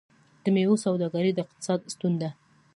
د میوو سوداګري د اقتصاد ستون ده.